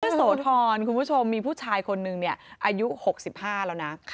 โสธรคุณผู้ชมมีผู้ชายคนนึงเนี่ยอายุ๖๕แล้วนะ